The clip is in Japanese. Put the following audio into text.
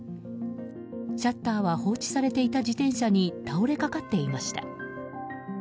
シャッターは放置されていた自転車に倒れかかっていました。